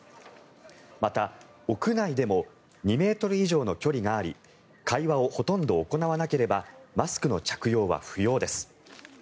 また屋内でも２ｍ以上の距離があり会話をほとんど行わなければマスクの着用は不要です。